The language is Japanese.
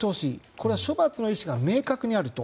これは処罰の意思が明確にあると。